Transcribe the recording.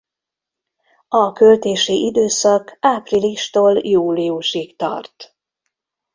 A költési időszak áprilistól júliusig tart.